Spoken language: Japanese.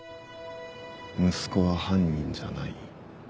息子は犯人じゃない。